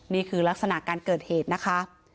นี่คือลักษณะการเกิดเหตุนะคะ